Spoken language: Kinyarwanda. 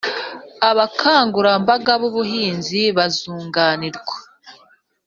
abakangurambaga b'ubuhinzi bazunganirwa